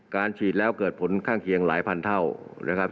ฉีดแล้วเกิดผลข้างเคียงหลายพันเท่านะครับ